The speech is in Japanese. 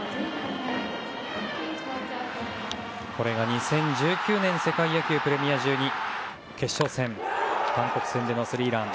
２０１９年世界野球プレミア１２決勝戦韓国戦でのスリーラン。